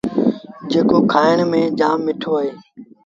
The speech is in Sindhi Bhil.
جيڪو کآڻ ميݩ جآم مٺو اهي۔